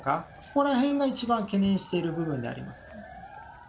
ここらへんが一番懸念している部分であります。